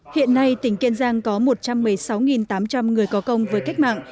hiện nay tỉnh kiên giang có một trăm một mươi sáu tám trăm linh người có công với cách mạng